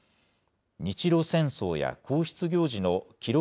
日露戦争や皇室行事の記録